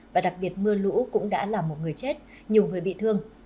và đặc biệt mưa lũ cũng đã làm một người chết nhiều người bị thương